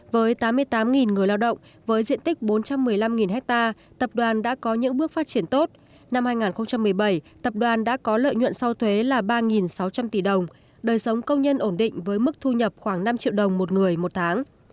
với tám mươi tám người lao động với diện tích bốn trăm một mươi năm ha tập đoàn đã có những bước phát triển tốt năm hai nghìn một mươi bảy tập đoàn đã có lợi nhuận sau thuế là ba sáu trăm linh tỷ đồng đời sống công nhân ổn định với mức thu nhập khoảng năm triệu đồng một người một tháng